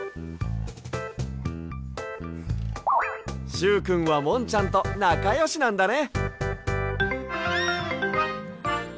しゅうくんはもんちゃんとなかよしなんだね。